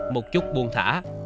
một chút buồn thả